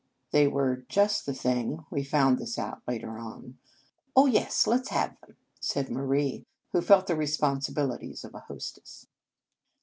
They were just the thing. We found this out later on. " Oh, yes, let s have them," said Marie, who felt the responsibilities of a hostess.